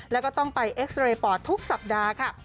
แล้วก็ต้องไปเอ็กซ์เรย์ปอดทุกสัปดาห์ค่ะ